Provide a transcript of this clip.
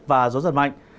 và gió giật mạnh